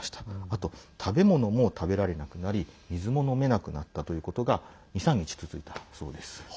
あと、食べ物も食べられなくなり水も飲めなくなったということが２３日、続いたそうです。